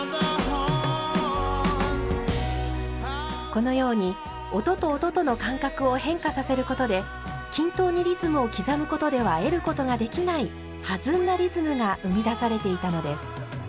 このように音と音との間隔を変化させることで均等にリズムを刻むことでは得ることができない弾んだリズムが生み出されていたのです。